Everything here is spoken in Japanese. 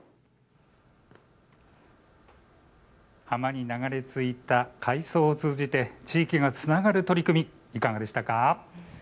浜に流れ着いた海藻を通じて地域がつながる取り組みいかがでしたか。